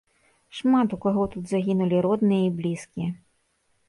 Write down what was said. Шмат у каго тут загінулі родныя і блізкія.